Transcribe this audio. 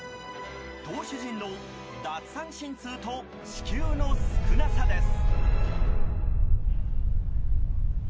投手陣の奪三振数と四球の少なさです。